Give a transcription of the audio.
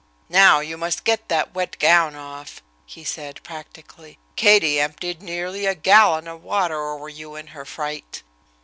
"Now you must get that wet gown off," he said practically. "Katie emptied nearly a gallon of water over you in her fright."